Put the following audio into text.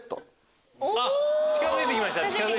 近づいてきました。